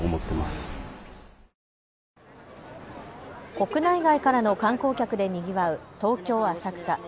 国内外からの観光客でにぎわう東京浅草。